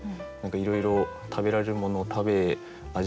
いろいろ食べられるものを食べ味わい尽くし